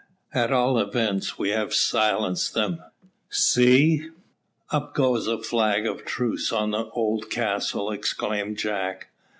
"At all events, we have silenced them; see, up goes a flag of truce on the old castle," exclaimed Jack.